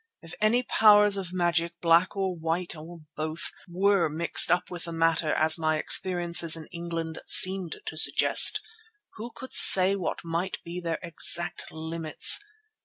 If any powers of magic, black or white or both, were mixed up with the matter as my experiences in England seemed to suggest, who could say what might be their exact limits?